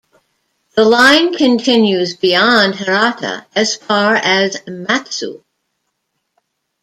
The line continues beyond Hirata as far as Matsue.